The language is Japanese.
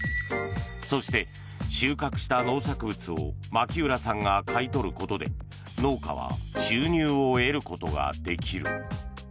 そして、収穫した農作物を牧浦さんが買い取ることで農家は収入を得ることができる。